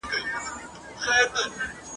له سړي چي لاره ورکه سي ګمراه سي !.